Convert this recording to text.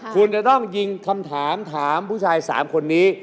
คุณจะต้องยิงคำถามถามผู้ชาย๓คนนี้